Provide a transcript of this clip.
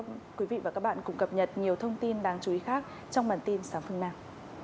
xin mời quý vị và các bạn cùng cập nhật nhiều thông tin đáng chú ý khác trong bản tin sáng phần nào